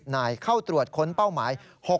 นายเข้าตรวจค้นเป้าหมาย